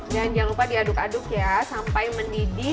dan jangan lupa diaduk aduk ya sampai mendidih